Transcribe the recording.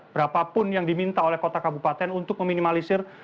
berapapun yang diminta oleh kota kabupaten untuk meminimalisir